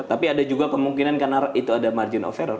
tapi ada juga kemungkinan karena itu ada margin of error